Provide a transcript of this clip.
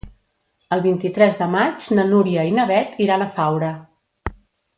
El vint-i-tres de maig na Núria i na Beth iran a Faura.